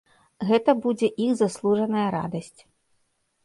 Гэта будзе іх заслужаная радасць.